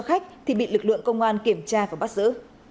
khách thì bị lực lượng công an kiểm tra và bắt giữ